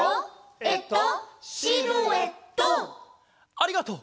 ありがとう！